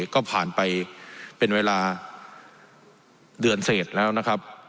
ก็ผ่านไปเป็นเวลาเดือนเสร็จแล้วนะครับ